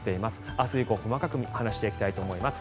明日以降、細かく話していきたいと思います。